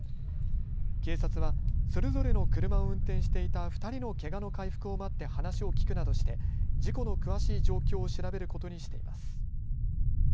警察はそれぞれの車を運転していた２人のけがの回復を待って話を聞くなどして事故の詳しい状況を調べることにしています。